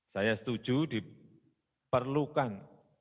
saya setuju diperlukan